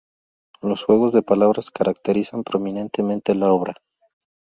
Los juegos de palabras caracterizan prominentemente la obra.